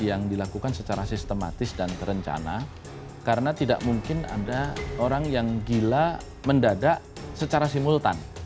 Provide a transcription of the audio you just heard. yang dilakukan secara sistematis dan terencana karena tidak mungkin ada orang yang gila mendadak secara simultan